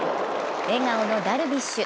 笑顔のダルビッシュ。